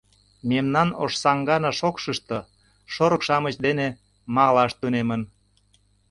Мемнан Ошсаҥгана шокшышто, шорык-шамыч дене малаш тунемын.